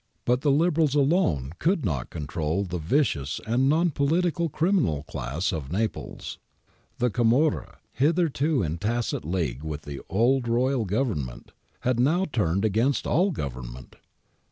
But the Liberals alone could not control the vicious and non political criminal class of Naples. The camorra, hitherto in tacit league with the old Royal Government,"' had now turned against all government.